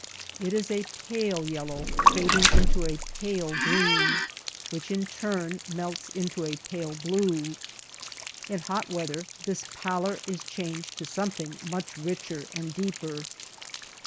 It is a pale yellow fading into a pale green, which in turn melts into a pale blue. In hot weather this pallor is changed to something much richer and deeper. A band Horizon skies.